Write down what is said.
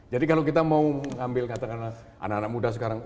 jadi kalau kita mau ngambil katakanlah anak anak muda sekarang